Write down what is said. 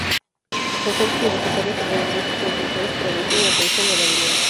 Docente universitaria sobre Derechos de las Mujeres, prevención y atención de la violencia.